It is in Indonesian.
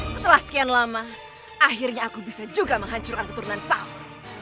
setelah sekian lama akhirnya aku bisa juga menghancurkan keturunan sal